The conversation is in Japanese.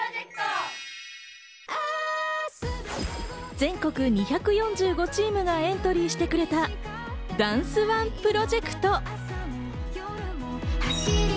全国２４５チームがエントリーしてくれた、ダンスＯＮＥプロジェクト。